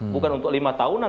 bukan untuk lima tahunan